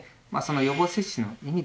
予防接種の意味ですね